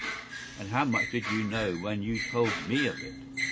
” “And how much did you know when you told me of it?